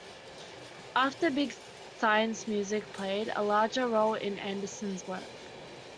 After "Big Science" music played a larger role in Anderson's work.